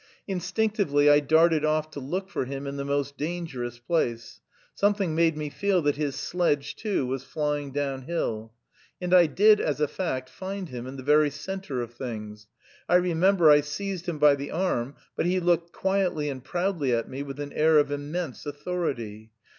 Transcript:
Instinctively I darted off to look for him in the most dangerous place; something made me feel that his sledge, too, was flying downhill. And I did, as a fact, find him in the very centre of things. I remember I seized him by the arm; but he looked quietly and proudly at me with an air of immense authority.